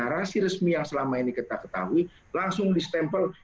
posible dan kemudian kindlinan antara kasusnya neglected